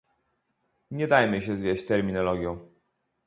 Nie dajmy się zwieść terminologią